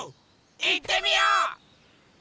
いってみよう！